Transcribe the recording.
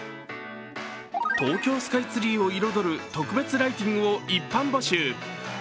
東京スカイツリーを彩る特別ライティングを一般募集。